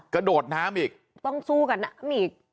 กระโดดน้ำอีกต้องสู้กันอ่ะมีอีก